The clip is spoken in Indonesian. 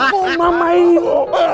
kok mamah ini